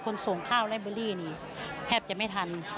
ส่งข้าวและเบอรี่นี่แทบจะไม่ทัน